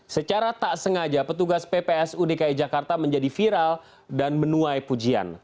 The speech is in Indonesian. secara tak sengaja petugas ppsu dki jakarta menjadi viral dan menuai pujian